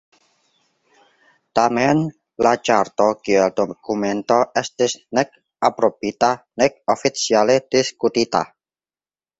Tamen, la Ĉarto kiel dokumento estis nek aprobita nek oficiale diskutita.